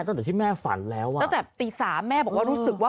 ตั้งแต่ที่แม่ฝันแล้วอ่ะตั้งแต่ตีสามแม่บอกว่ารู้สึกว่า